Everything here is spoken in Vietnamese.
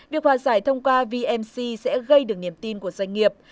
việc hòa giải thông qua vnc sẽ gây được niềm tin của doanh nghiệp